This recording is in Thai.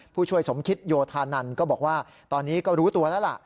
ผู้ช่วยสมคิตโยธานันก็บอกว่าตอนนี้ก็รู้ตัวแล้วล่ะ